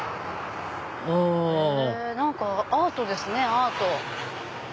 あ何かアートですねアート。